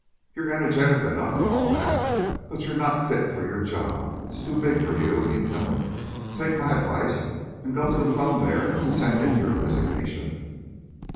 You're energetic enough and all that; but you're not fit for your job it's too big for you, and you know it. Take my advice, and go to the 'phone there and send in your resignation."